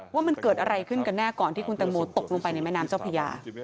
ว่ามันเกิดอะไรขึ้นกันแน่ก่อนที่คุณตังโมตกลงไปในแม่น้ำเจ้าพระยา